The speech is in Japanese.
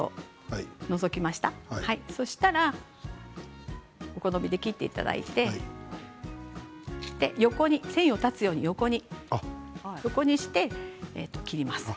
そうしたらお好みで切っていただいて横に繊維を断つように横にして切ります。